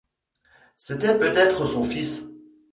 C'était peut-être son fils.